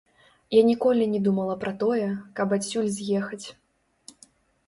Я ніколі не думала пра тое, каб адсюль з'ехаць.